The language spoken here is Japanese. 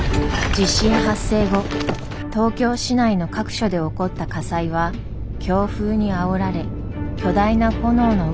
地震発生後東京市内の各所で起こった火災は強風にあおられ巨大な炎の渦と化しました。